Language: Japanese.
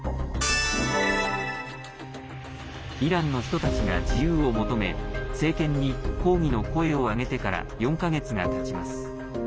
イランの人たちが自由を求め政権に抗議の声を上げてから４か月がたちます。